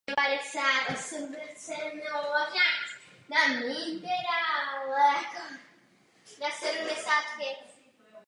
Obává se prozrazení a proto svému manželovi přiznává svou minulost.